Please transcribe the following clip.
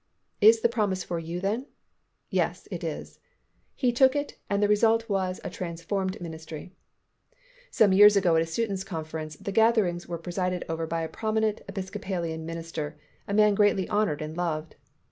"Is the promise for you then?" "Yes, it is." He took it and the result was a transformed ministry. Some years ago at a students' conference, the gatherings were presided over by a prominent Episcopalian minister, a man greatly honoured and loved.